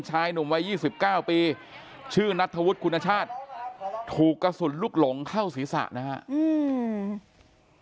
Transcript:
ชายหนุ่มวัยยี่สิบเก้าปีชื่อนัทธวุฒิคุณชาติถูกกระสุนลูกหลงเข้าศีรษะนะฮะอืม